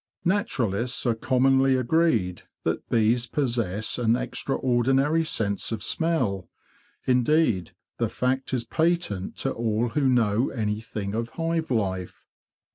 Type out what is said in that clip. Natur alists are commonly agreed that bees possess an extraordinary sense of smell; indeed, the fact is patent to all who know anything of hive life.